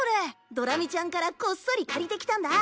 ドラミちゃんからこっそり借りてきたんだ。